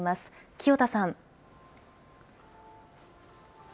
清田さん。